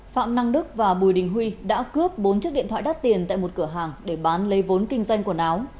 phạm năng đức và bùi đình huy đã cướp bốn chiếc điện thoại đắt tiền tại một cửa hàng để bán lấy vốn kinh doanh quần áo